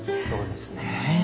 そうですね。